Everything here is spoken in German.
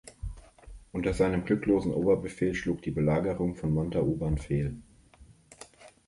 Unter seinem glücklosen Oberbefehl schlug die Belagerung von Montauban fehl.